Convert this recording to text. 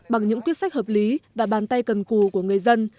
bằng những quyết sách hợp lý và bàn tay cần cù của người dân